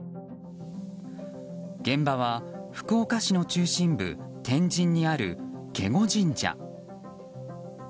現場は福岡市の中心部天神にある警固神社。